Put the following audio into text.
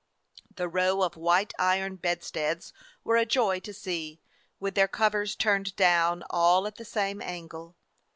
The row of white iron bedsteads were a joy to see, with their covers turned down, all at the same angle.